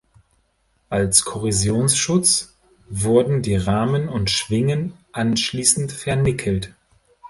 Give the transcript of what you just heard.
Als Korrosionsschutz wurden die Rahmen und Schwingen anschließend vernickelt.